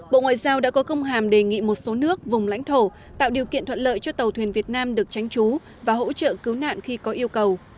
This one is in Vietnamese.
bộ ngoại giao đã có công hàm đề nghị một số nước vùng lãnh thổ tạo điều kiện thuận lợi cho tàu thuyền việt nam được tránh trú và hỗ trợ cứu nạn khi có yêu cầu